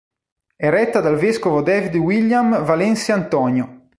È retta dal vescovo David William Valencia Antonio.